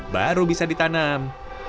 baru bisa ditanam